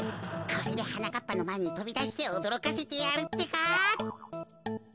これではなかっぱのまえにとびだしておどろかせてやるってか。